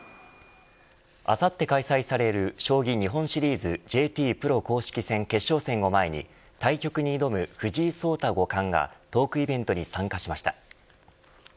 あさって開催される将棋日本シリーズＪＴプロ公式戦決勝戦を前に対局に挑む藤井聡太五冠がトークイベントに参加しました。